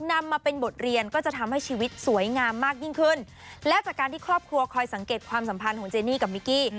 นำมาเป็นบทเรียนก็จะทำให้ชีวิตสวยงามมากยิ่งขึ้นและจากการที่ครอบครัวคอยสังเกตความสัมพันธ์ของเจนี่กับมิกกี้